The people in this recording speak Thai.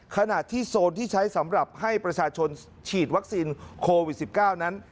ขณะที่โซนที่ใช้สำหรับให้ประชาชนฉีดวัคซีนโควิด๑๙นั้น